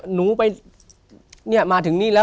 หนูไปมาถึงนี่แล้ว